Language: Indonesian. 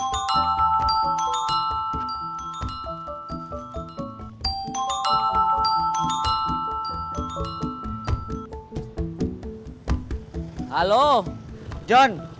bedanya hal seni dua